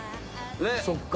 そっか。